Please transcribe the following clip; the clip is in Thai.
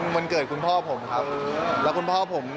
วันเกิดคุณพ่อผมครับแล้วคุณพ่อผม